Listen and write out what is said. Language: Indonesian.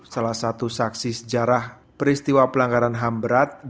salah satu saksi sejarah peristiwa pelanggaran ham berat